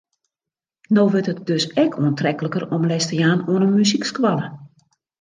No wurdt it dus ek oantrekliker om les te jaan oan in muzykskoalle.